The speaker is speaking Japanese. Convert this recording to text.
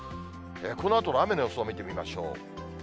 このあとの雨の予想を見てみましょう。